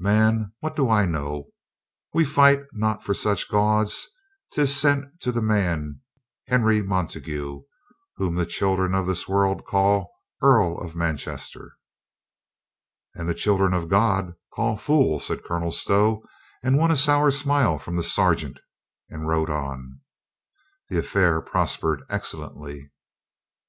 "Man, what do I know? We fight not for such gauds. 'Tis sent to the man Henry Montagu, whom the children of this world call Earl of Manchester." "And the children of God call fool," said Colonel Stow, and won a sour smile from the sergeant, and rode on. The affair prospered excellently.